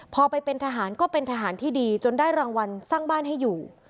พอไปเป็นทหารก็เป็นทหารที่ดีจนได้รางวัลสร้างบ้านให้อยู่